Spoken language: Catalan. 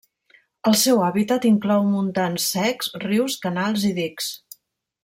El seu hàbitat inclou montans secs, rius, canals i dics.